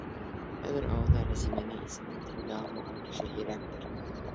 Хәҙер ауылда Рәсимәнең исемен телгә алмаған кеше һирәктер.